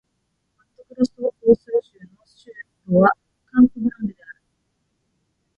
マットグロッソ・ド・スル州の州都はカンポ・グランデである